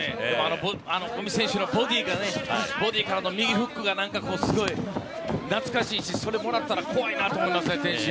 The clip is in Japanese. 五味選手のボディーからの右フックがすごい懐かしいしそれもらったら怖いなと思いますね。